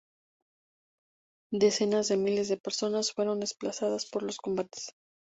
Decenas de miles de personas fueron desplazadas por los combates.